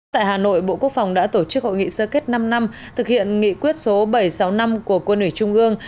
tại hà nội bộ quốc phòng đã tổ chức hội nghị sơ kết năm năm thực hiện nghị quyết số bảy trăm sáu mươi năm của quân ủy trung ương